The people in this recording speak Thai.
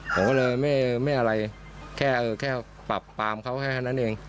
ผมก็เลยไม่อะไรแค่ปรับปามเขาแค่นั้นเอง